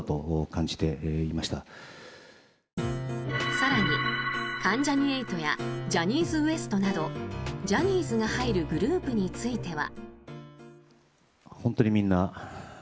更に、関ジャニ∞やジャニーズＷＥＳＴなどジャニーズが入るグループについては。